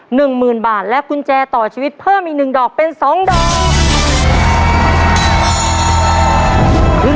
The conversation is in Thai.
หนึ่งหมื่นบาทและกุญแจต่อชีวิตเพิ่มอีกหนึ่งดอกเป็นสองดอก